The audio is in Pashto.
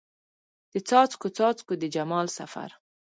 د څاڅکو، څاڅکو د جمال سفر